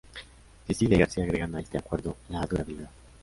Sicilia y García agregan a este acuerdo la durabilidad.